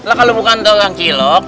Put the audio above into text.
lah kalau bukan kangcilok